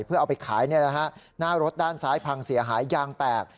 เพื่อเอาไปขายหน้ารถด้านซ้ายพังเสียหายยางแตก